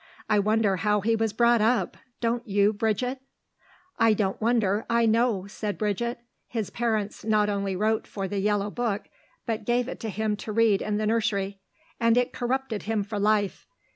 I wonder how he was brought up, don't you, Bridget?" "I don't wonder; I know," said Bridget. "His parents not only wrote for the Yellow Book, but gave it him to read in the nursery, and it corrupted him for life.